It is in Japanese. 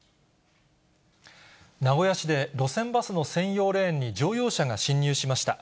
名古屋市で、路線バスの専用レーンに乗用車が進入しました。